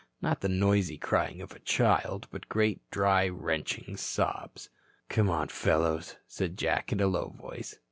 Not the noisy crying of a child but great, dry, wrenching sobs. "Come on, fellows," said Jack in a low voice.